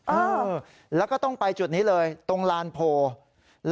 เออแล้วก็ต้องไปจุดนี้เลยตรงลานโพล